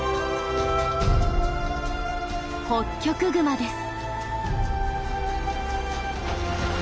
ホッキョクグマです。